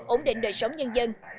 ổn định đời sống nhân dân